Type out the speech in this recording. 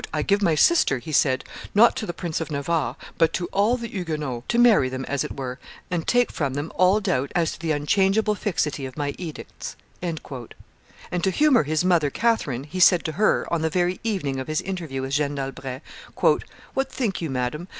"I give my sister," he said, "not to the Prince of Navarre, but to all the Huguenots, to marry them as it were, and take from them all doubt as to the unchangeable fixity of my edicts." And to humor his mother Catherine, he said to her, on the very evening of his interview with Jeanne d'Albret, "What think you, madam?